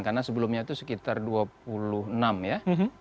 karena sebelumnya itu sekitar dua puluh enam ya